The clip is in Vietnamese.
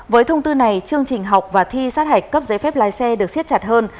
với thông tư này chương trình học và thi sát hạch cấp giấy phép lái xe được siết chặt hơn